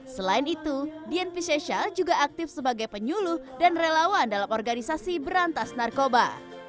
selain itu dian piscesha juga aktif sebagai penyuluh dan relawan dalam organisasi berantas narkoba